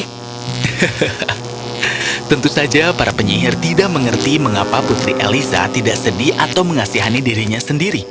hahaha tentu saja para penyihir tidak mengerti mengapa putri elisa tidak sedih atau mengasihani dirinya sendiri